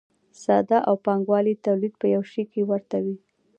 ساده او پانګوالي تولید په یوه شي کې ورته دي.